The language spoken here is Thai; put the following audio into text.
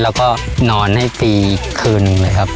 เราก็นอนให้มีอีกครั้งหนึ่งเลยครับ